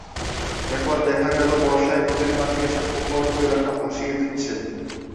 এরপর দেখা গেল বর্ষায় নদীর পানি এসে প্রকল্প এলাকা ভাসিয়ে দিচ্ছে।